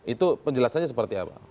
itu penjelasannya seperti apa